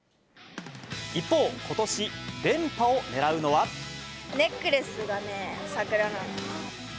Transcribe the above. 一方、ことし、ネックレスがね、さくらなんです。